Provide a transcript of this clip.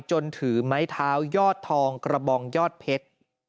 จนถือไม้เท้ายอดทองกระบองยอดเพชร